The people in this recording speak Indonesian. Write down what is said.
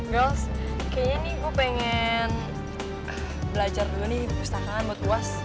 girls kayaknya nih gua pengen belajar dulu nih perpustakaan buat luas